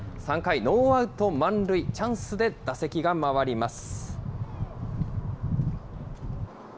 ３回、ノーアウト満塁、チャンスで打席が回ります。